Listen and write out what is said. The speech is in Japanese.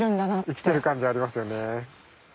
生きてる感じありますよね。